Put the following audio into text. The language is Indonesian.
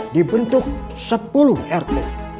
dibentuk sepuluh rt